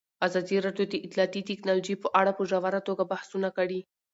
ازادي راډیو د اطلاعاتی تکنالوژي په اړه په ژوره توګه بحثونه کړي.